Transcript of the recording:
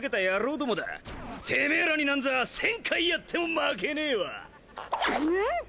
どもだてめえらになんざ１０００回やっても負けねぇわんん！？